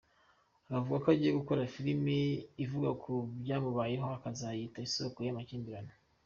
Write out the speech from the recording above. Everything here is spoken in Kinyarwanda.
Akavuga ko agiye gukora filime ivuga ku byamubayeho akazayita ‘Isoko y’amakimbirane.